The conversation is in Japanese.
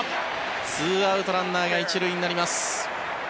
２アウトランナーが１塁になります。